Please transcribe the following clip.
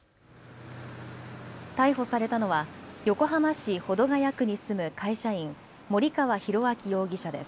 逮捕されたのは横浜市保土ケ谷区に住む会社員、森川浩昭容疑者です。